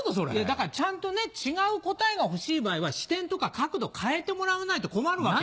だからちゃんと違う答えが欲しい場合は視点とか角度を変えてもらわないと困るわけよ。